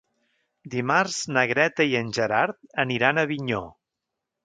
Dimarts na Greta i en Gerard aniran a Avinyó.